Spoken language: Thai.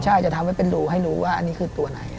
ใช่จะทำให้เป็นรูให้รู้ว่าอันนี้คือตัวไหน